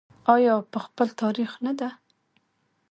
آیا په خپل تاریخ نه ده؟